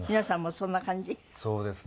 そうですね。